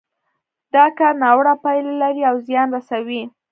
دا کار ناوړه پايلې لري او زيان رسوي.